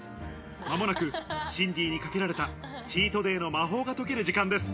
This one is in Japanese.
間もなくシンディにかけられた、チートデイの魔法が解ける時間です。